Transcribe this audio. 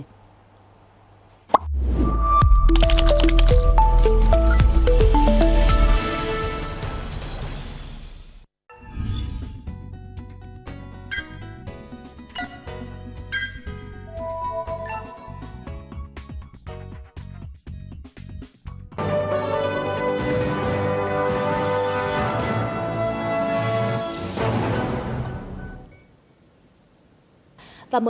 xin chào tạm biệt